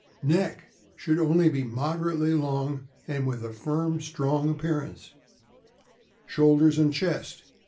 Neck. — Should be only moderately long and with a firm, strong appearance. Shoulders and chest.